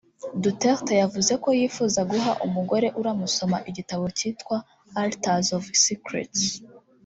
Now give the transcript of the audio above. Duterte yavuze ko yifuza guha umugore uramusoma igitabo cyitwa “Altars of Secrets